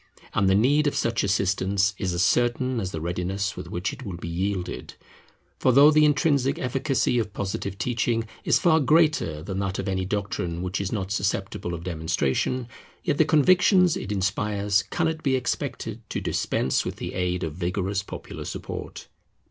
And the need of such assistance is as certain as the readiness with which it will be yielded. For though the intrinsic efficacy of Positive teaching is far greater than that of any doctrine which is not susceptible of demonstration, yet the convictions it inspires cannot be expected to dispense with the aid of vigorous popular support.